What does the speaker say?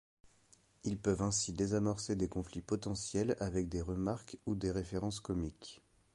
Ils peuvent ainsi désamorcer des conflits potentiels avec des remarques ou des références comiques.